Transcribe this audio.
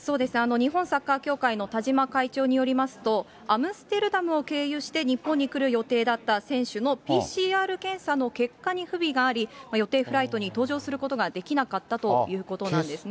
日本サッカー協会の田嶋会長によりますと、アムステルダムを経由して日本に来る予定だった選手のＰＣＲ検査の結果に不備があり、予定フライトに搭乗することができなかったということなんですね。